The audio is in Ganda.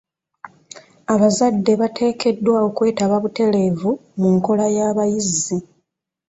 Abazadde bateekeddwa okwetaba butereevu mu nkola y'abayizi.